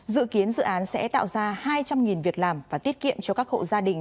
dự kiến dự án sẽ tạo ra hai trăm linh việc làm và tiết kiệm cho các hộ gia đình